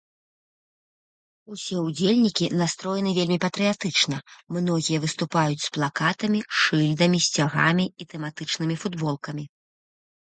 Усе ўдзельнікі настроены вельмі патрыятычна, многія выступаюць з плакатамі, шыльдамі, сцягамі і тэматычнымі футболкамі.